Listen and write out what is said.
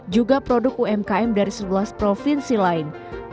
juga produk umkm dari sebelas provinsi lain